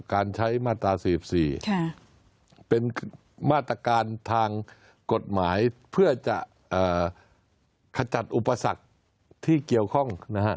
การใช้มาตรา๔๔เป็นมาตรการทางกฎหมายเพื่อจะขจัดอุปสรรคที่เกี่ยวข้องนะฮะ